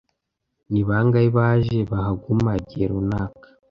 Ni bangahe baje bahaguma igihe runaka,